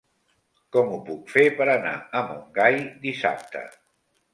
Com ho puc fer per anar a Montgai dissabte?